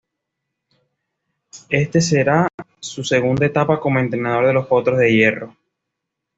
Esta será su segunda etapa como entrenador de los Potros de Hierro.